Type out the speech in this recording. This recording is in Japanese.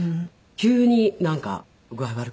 急になんか具合悪くなって。